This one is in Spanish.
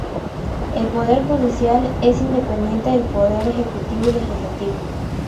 El Poder judicial es independiente del poder ejecutivo y legislativo.